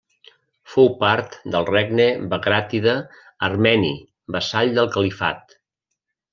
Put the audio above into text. Fou part del regne bagràtida armeni vassall del califat.